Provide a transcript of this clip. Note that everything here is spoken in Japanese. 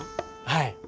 はい。